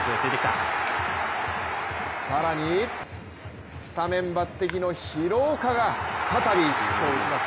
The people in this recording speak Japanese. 更にスタメン抜てきの廣岡が再びヒットを打ちます。